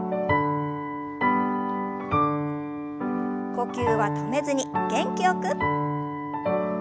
呼吸は止めずに元気よく。